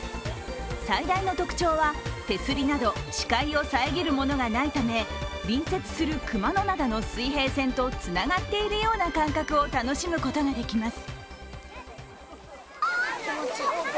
最大の特徴は手すりなど視界を遮るものがないため隣接する熊野灘の水平線とつながっているような感覚を楽しむことができます。